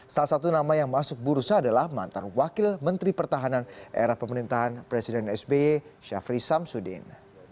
salah satu nama yang masuk bursa adalah mantan wakil menteri pertahanan era pemerintahan presiden sby syafri samsudin